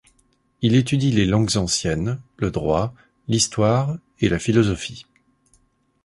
Il étudie les langues anciennes, le droit, l'histoire et la philosophie.